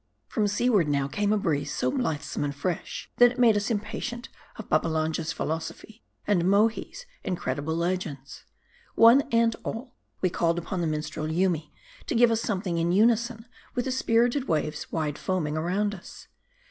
FROM seaward now came a breeze so blithesome and fresh, that it made us impatient of Babbalanja's philosophy, and Mohi's incredible legends. One and all, we called upon the minstrel Yoomy to give us something in unison with the spirited waves wide foaming around us.